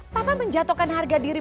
papa menjatuhkan harga diri